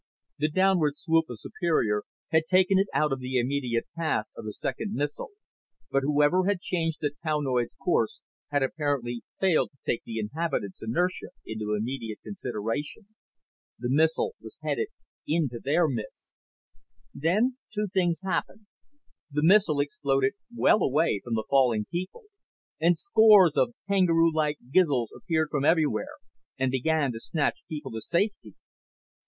The downward swoop of Superior had taken it out of the immediate path of the second missile, but whoever had changed the townoid's course had apparently failed to take the inhabitants' inertia into immediate consideration. The missile was headed into their midst. Then two things happened. The missile exploded well away from the falling people. And scores of kangaroo like Gizls appeared from everywhere and began to snatch people to safety.